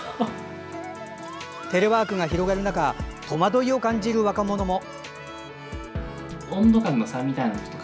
テレワークが広がる中戸惑いを感じる若者も。